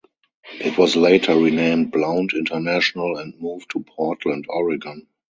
It was later renamed Blount International and moved to Portland, Oregon.